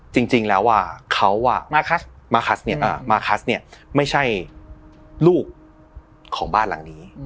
จริงแล้วว่าเขาว่ามาร์คัสไม่ใช่ลูกของบ้านหลังนี้